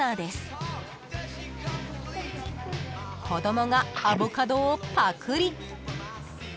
［子供がアボカドをパクリ］